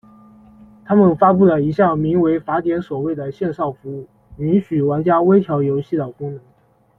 他们发布了一项名叫「法典守卫」的线上服务，允许玩家微调游戏的功能。